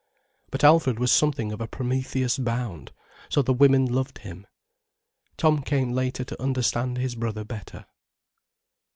But Alfred was something of a Prometheus Bound, so the women loved him. Tom came later to understand his brother better.